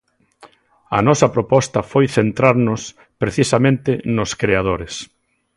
A nosa proposta foi centrarnos, precisamente, nos creadores.